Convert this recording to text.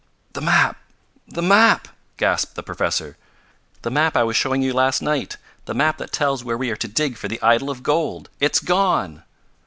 "The map the map!" gasped the professor. "The map I was showing you last night! The map that tells where we are to dig for the idol of gold! It's gone!"